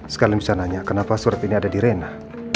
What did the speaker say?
sekali bisa nanya kenapa surat ini ada di rena